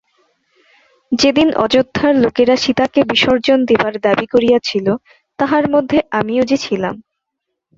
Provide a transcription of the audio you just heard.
যেদিন অযোধ্যার লোকেরা সীতাকে বিসর্জন দিবার দাবি করিয়াছিল তাহার মধ্যে আমিও যে ছিলাম।